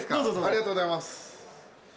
ありがとうございます。